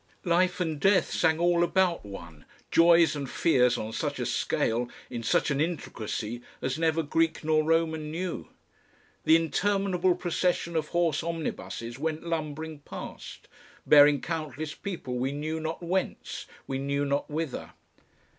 Life and death sang all about one, joys and fears on such a scale, in such an intricacy as never Greek nor Roman knew. The interminable procession of horse omnibuses went lumbering past, bearing countless people we knew not whence, we knew not whither.